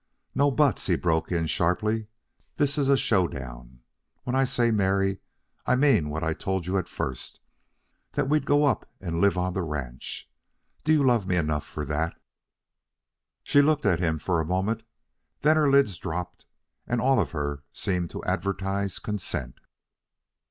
"No buts," he broke in sharply. "This is a show down. When I say marry, I mean what I told you at first, that we'd go up and live on the ranch. Do you love me enough for that?" She looked at him for a moment, then her lids dropped, and all of her seemed to advertise consent.